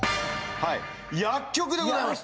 はい薬局でございます